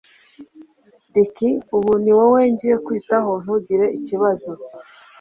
Ricky ubu ni wowe ngiye kwitaho ntugire ikibazo